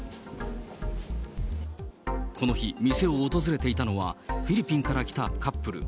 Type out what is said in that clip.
この日、店を訪れていたのは、フィリピンから来たカップル。